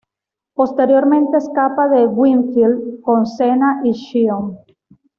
Posteriormente escapa de Winfield con Sena y Shion.